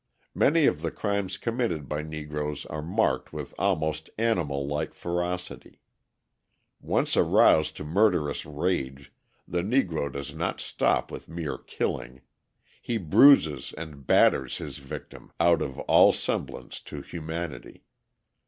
Many of the crimes committed by Negroes are marked with almost animal like ferocity. Once aroused to murderous rage, the Negro does not stop with mere killing; he bruises and batters his victim out of all semblance to humanity.